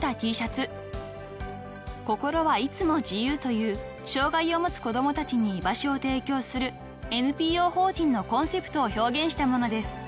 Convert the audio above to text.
［心はいつも自由という障がいを持つ子供たちに居場所を提供するＮＰＯ法人のコンセプトを表現したものです］